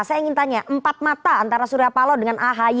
saya ingin tanya empat mata antara surya palo dengan ahy